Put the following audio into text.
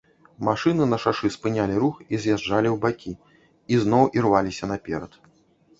Машыны на шашы спынялі рух і з'язджалі ў бакі, і зноў ірваліся наперад.